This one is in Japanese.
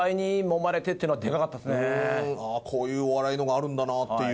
あぁこういうお笑いのがあるんだなっていう。